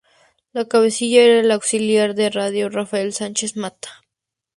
El cabecilla era el auxiliar de radio Rafael Sánchez Mata.